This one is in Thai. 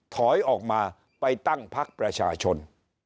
ถอยออกมาไปตั้งพักประชาชน